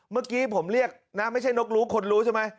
เมื่อกี้ผมเรียกไม่ใช่นกหลูขนหลูใช่ไหม